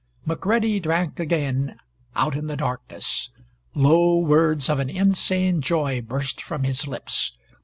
McCready drank again, out in the darkness. Low words of an insane joy burst from his lips.